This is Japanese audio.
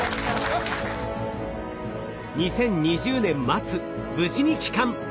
２０２０年末無事に帰還。